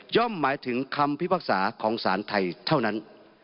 หมายถึงคำพิพากษาของสารไทยเท่านั้น